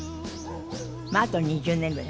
まああと２０年ぐらい。